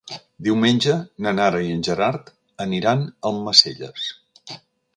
Diumenge na Nara i en Gerard aniran a Almacelles.